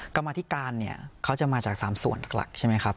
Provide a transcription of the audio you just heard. กรรมธิการเขาจะมาจากสามส่วนทั้งหลักใช่ไหมครับ